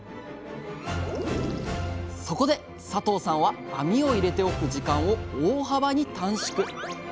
そこで佐藤さんは網を入れておく時間を大幅に短縮。